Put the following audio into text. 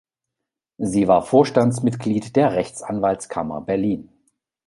Sie war Vorstandsmitglied der Rechtsanwaltskammer Berlin.